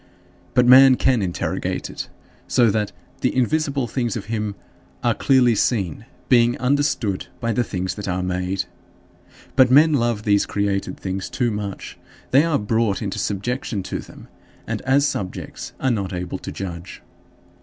But man can interrogate it, so that "the invisible things of him ... are clearly seen, being understood by the things that are made." But men love these created things too much; they are brought into subjection to them and, as subjects, are not able to judge.